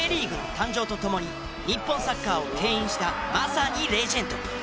誕生とともに日本サッカーを牽引したまさにレジェンド。